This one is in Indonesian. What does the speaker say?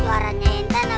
putri sejati putri indonesia